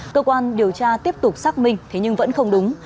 cơ quan điều tra tiếp tục xác minh thế nhưng vẫn không đúng